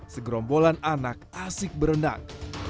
segerombolan anak asik berenang